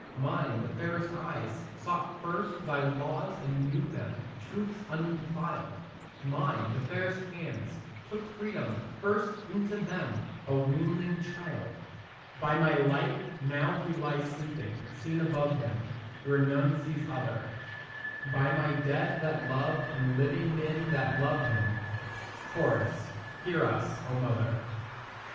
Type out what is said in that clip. Mine, the fairest eyes, sought first thy laws and knew them Truths undefiled; Mine, the fairest hands, took freedom first into them, A weanling child. By my light, now he lies sleeping, seen above him Where none sees other; By my dead that loved and living men that love him; (Cho.) Hear us, O mother.